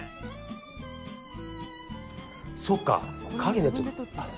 そっか、影になっちゃって。